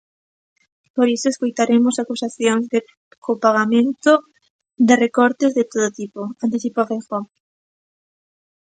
"Por iso escoitaremos acusacións de copagamento, de recortes de todo tipo", anticipa Feijóo.